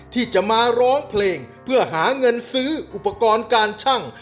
ที่จะมาร้องเพลงเพื่อหาเงินซื้ออุปกรณ์การชั่ง